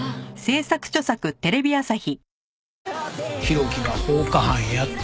浩喜が放火犯やって。